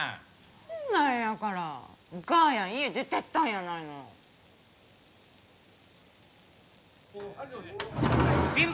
そんなんやからお母やん家出てったんやないのビール